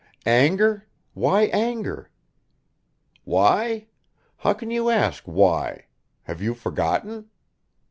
"Anger? Why anger?" "Why? How can you ask why? Have you forgotten?"